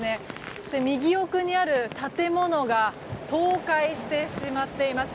そして右奥にある建物が倒壊してしまっています。